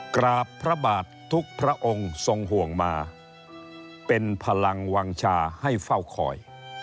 กราบพระบาททุกพระองค์ทรงห่วงมาเป็นพลังวางชาให้เฝ้าคอย